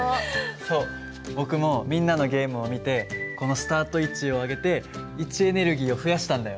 そう僕もみんなのゲームを見てこのスタート位置を上げて位置エネルギーを増やしたんだよ。